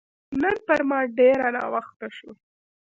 نن پر ما ډېر ناوخته شو